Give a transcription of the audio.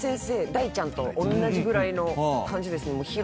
大ちゃんとおんなじぐらいの感じです。